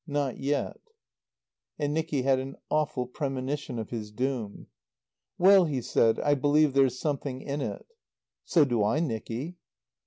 "Not yet." And Nicky had an awful premonition of his doom. "Well," he said, "I believe there's something in it." "So do I, Nicky."